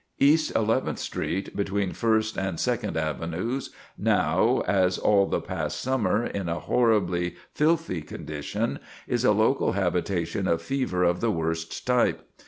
East Eleventh Street, between First and Second Avenues, now, as all the past summer, in a horribly filthy condition, is a local habitation of fever of the worst type.